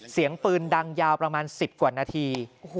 เสียงปืนดังยาวประมาณ๑๐กว่านาที